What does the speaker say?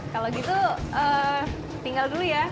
kalau gitu tinggal dulu ya